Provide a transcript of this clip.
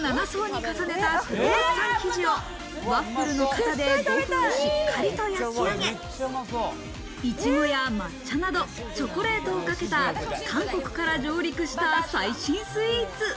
２７層に重ねたクロワッサン生地を、ワッフルの形で５分しっかりと焼き上げ、いちごや抹茶など、チョコレートをかけた、韓国から上陸した最新スイーツ。